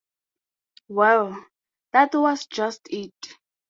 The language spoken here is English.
Well, that was just it!